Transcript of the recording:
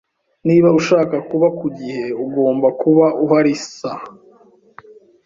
Niba ushaka kuba ku gihe, ugomba kuba uhari saa